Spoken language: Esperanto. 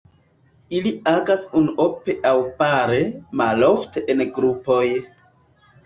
Ili agas unuope aŭ pare, malofte en grupoj.